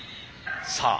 さあ